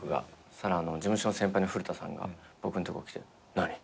そしたら事務所の先輩の古田さんが僕のとこ来て「何？嫌い？」